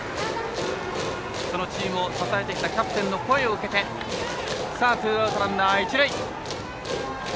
そのチームを支えてきたキャプテンの声を受けてツーアウト、ランナー、一塁。